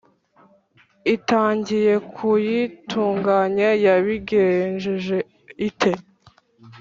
itangiye kuyitunganya. yabigenje ite?